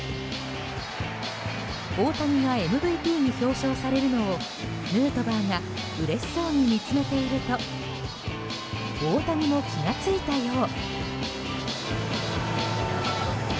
大谷がＭＶＰに表彰されるのをヌートバーがうれしそうに見つめていると大谷も気が付いたよう。